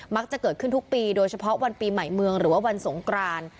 จะเกิดขึ้นทุกปีโดยเฉพาะวันปีใหม่เมืองหรือว่าวันสงกราน